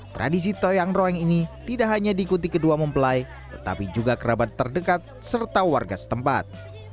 tradisi toyang roeng ini tidak hanya diikuti kedua mempelai tetapi juga kerabat terdekat serta warga setempat